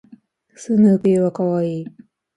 スヌーピーは可愛い